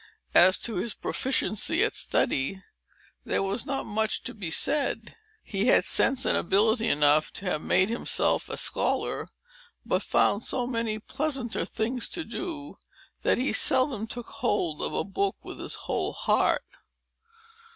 As to his proficiency at study, there was not much to be said. He had sense and ability enough to have made himself a scholar, but found so many pleasanter things to do, that he seldom took hold of a book with his whole heart.